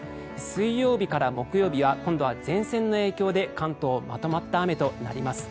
水曜日から木曜日は今度は前線の影響で関東はまとまった雨となります。